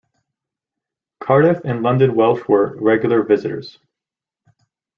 Cardiff and London Welsh were regular visitors.